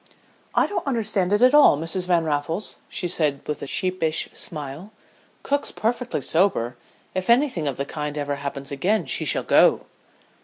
"'I don't understand it at all, Mrs. Van Raffles,' she said with a sheepish smile. 'Cook's perfectly sober. If anything of the kind ever happens again she shall go.'"